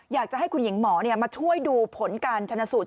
อยากจะให้คุณหญิงหมอมาช่วยดูผลการชนะสูตร